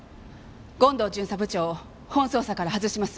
権藤巡査部長を本捜査から外します。